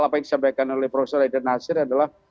apa yang disampaikan oleh prof haidar nasir adalah